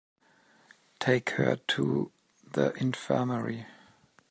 Take her to the infirmary.